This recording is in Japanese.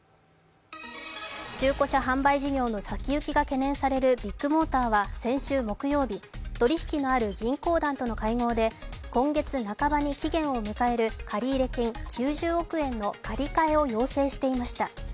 中古車販売事業の先行きが懸念されるビッグモーターは先週木曜日、取引のある銀行団との会合で今月半ばに期限を迎える借入金９０億円の借り換えを要請していました。